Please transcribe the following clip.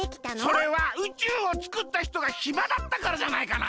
それは宇宙をつくった人がひまだったからじゃないかなあ。